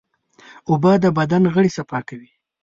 اوبه د بدن غړي صفا کوي.